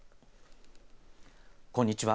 こんにちは。